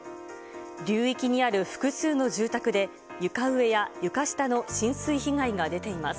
流域にある複数の住宅で、床上や床下の浸水被害が出ています。